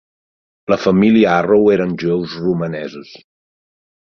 La família Arrow eren jueus romanesos.